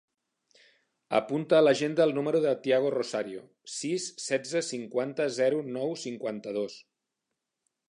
Apunta a l'agenda el número del Tiago Rosario: sis, setze, cinquanta, zero, nou, cinquanta-dos.